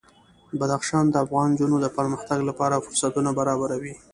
بدخشان د افغان نجونو د پرمختګ لپاره فرصتونه برابروي.